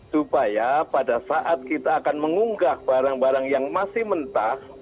supaya pada saat kita akan mengunggah barang barang yang masih mentah